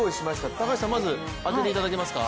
高橋さん、まず開けていただけますか？